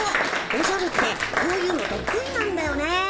おじゃるってこういうのとく意なんだよね。